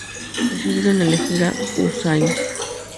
Decidieron elegir a Husayn.